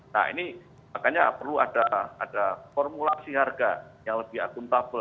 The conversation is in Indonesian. nah ini makanya perlu ada formulasi harga yang lebih akuntabel